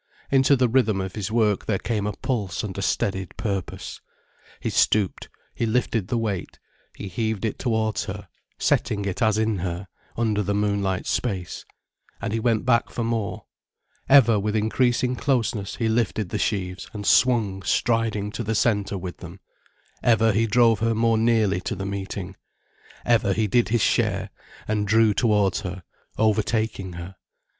Into the rhythm of his work there came a pulse and a steadied purpose. He stooped, he lifted the weight, he heaved it towards her, setting it as in her, under the moonlit space. And he went back for more. Ever with increasing closeness he lifted the sheaves and swung striding to the centre with them, ever he drove her more nearly to the meeting, ever he did his share, and drew towards her, overtaking her.